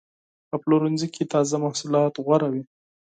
په پلورنځي کې تازه محصولات غوره وي.